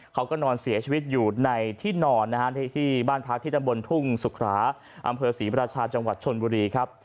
เขาก็นอนเสียชีวิตอยู่ในที่นอนนะฮะที่บ้านพักที่ตำบลทุ่งสุขราอำเภอศรีราชาจังหวัดชนบุรีครับ